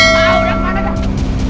tahu yang mana dah